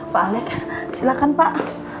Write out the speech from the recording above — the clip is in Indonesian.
pak alec silahkan pak